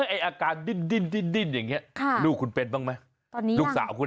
ไอ้อาการดิ้นอย่างนี้ลูกคุณเป็นบ้างมั้ย